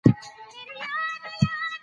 په اوبو کې حرکت د زړه د فعالیت لپاره ګټور دی.